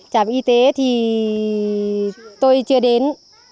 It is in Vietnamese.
trạm y tế thì tôi chưa đến